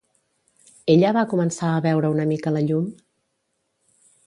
Ella va començar a veure una mica la llum?